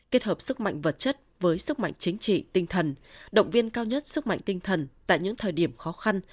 kết hợp sức mạnh vật chất với sức mạnh chính trị tinh thần động viên cao nhất sức mạnh tinh thần tại những thời điểm khó khăn